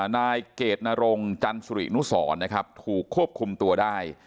นายเกดนรงจันสุรินุสรนะครับถูกควบคุมตัวได้